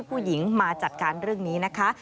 ผู้หญิงมาจัดการเรื่องนี้นะคะ